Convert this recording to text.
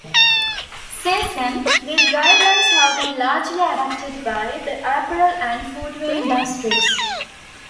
Since then, these guidelines have been largely adopted by the apparel and footwear industries.